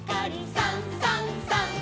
「さんさんさん」